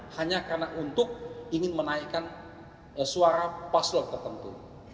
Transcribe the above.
hanya karena untuk ingin menaikkan suara paslon tertentu